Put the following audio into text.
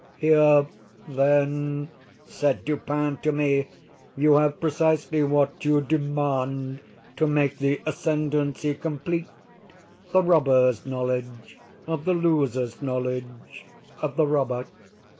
"Here, then," said Dupin to me, "you have precisely what you demand to make the ascendancy complete—the robber's knowledge of the loser's knowledge of the robber."